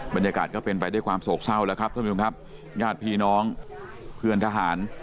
บรรยากาศก็เป็นไปด้วยความโศกเศร้าแล้วครับท่านผู้ชมครับญาติพี่น้องเพื่อนทหาร